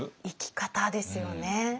生き方ですよね。